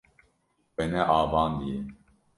We neavandiye.